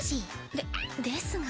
でですが。